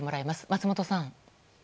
松本さん。